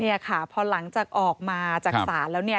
เนี่ยค่ะพอหลังจากออกมาจากศาลแล้วเนี่ย